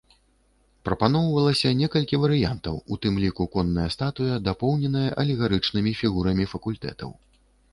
Прапаноўвалася некалькі варыянтаў, у тым ліку конная статуя дапоўненая алегарычнымі фігурамі факультэтаў.